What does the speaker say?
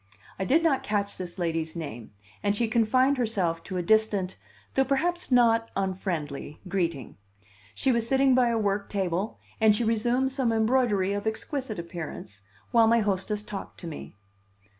I did not catch this lady's name, and she confined herself to a distant, though perhaps not unfriendly, greeting. She was sitting by a work table, and she resumed some embroidery of exquisite appearance, while my hostess talked to me.